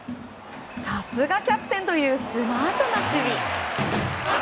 さすがキャプテンというスマートな守備。